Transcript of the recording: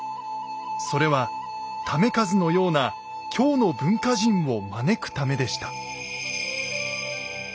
それは為和のような京の文化人を招くためでした。